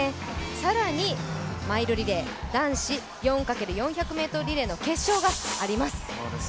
更にマイルリレー、男子４×４００ｍリレーの決勝があります。